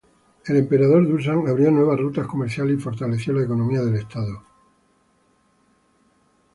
El emperador Dušan abrió nuevas rutas comerciales y fortaleció la economía del estado.